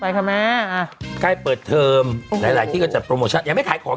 ไปค่ะแม่อ่ะใกล้เปิดเทอมหลายหลายที่ก็จัดโปรโมชั่นยังไม่ขายของ